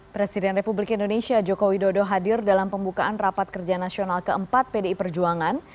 presiden republik indonesia jokowi dodo hadir dalam pembukaan rapat kerja nasional ke empat pdi perjuangan